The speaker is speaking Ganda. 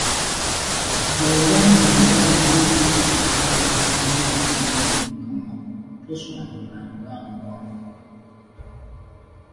Bw’oba ng’olya weewale okuvuubiika emmere ennyingi mu kamwa, tonswankula nga mbwa.